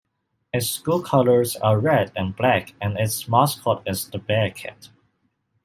Its school colors are red and black and its mascot is the bearcat.